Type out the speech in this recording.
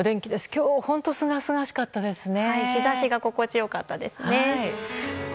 今日は本当すがすがしかったですね。